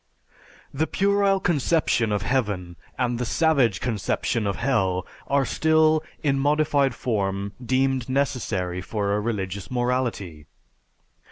_) The puerile conception of heaven and the savage conception of hell are still, in modified form, deemed necessary for a religious morality.